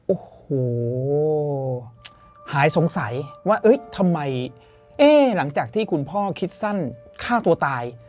โอ้โหหายสงสัยว่าทำไมเอ๊ะหลังจากที่คุณพ่อคิดสั้นฆ่าตัวตาย